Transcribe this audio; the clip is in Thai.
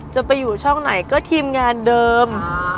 จะไปอยู่ช่องไหนก็ทีมงานเดิม